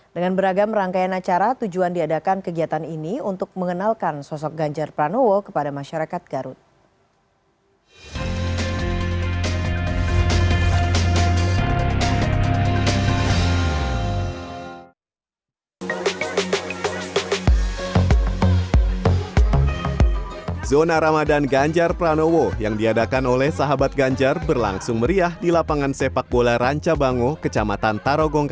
dengan beragam rangkaian acara tujuan diadakan kegiatan ini untuk mengenalkan sosok ganjar pranowo kepada masyarakat garut